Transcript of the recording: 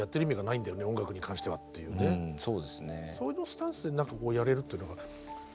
そういうスタンスで何かこうやれるっていうのが。